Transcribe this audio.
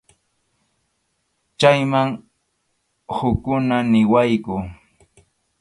Chayman hukkuna niwaqku.